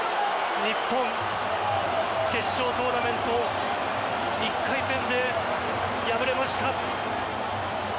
日本決勝トーナメント１回戦で敗れました。